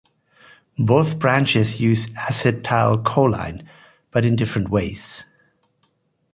Both branches use acetylcholine, but in different ways.